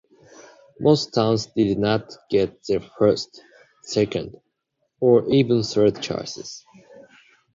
Most towns did not get their first, second, or even third choices.